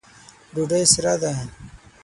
ډوډۍ سره ده